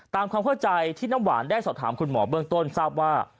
ความเข้าใจที่น้ำหวานได้สอบถามคุณหมอเบื้องต้นทราบว่า